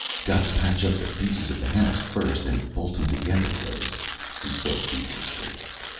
"Got to patch up the pieces of the house, first, and bolt 'em together, Rose," he said feverishly.